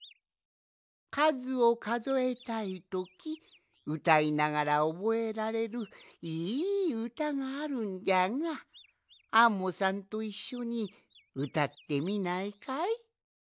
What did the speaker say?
かずをかぞえたいときうたいながらおぼえられるいいうたがあるんじゃがアンモさんといっしょにうたってみないかい？